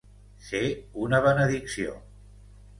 Ser una benedicció.